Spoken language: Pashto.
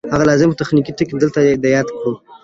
هغه لازم تخنیکي ټکي دلته یاد کړو